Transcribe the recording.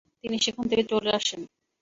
তিনি সেখান থেকে চলে আসেন।